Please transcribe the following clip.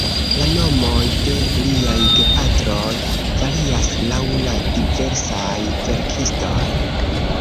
La nomoj de liaj gepatroj varias laŭ la diversaj verkistoj.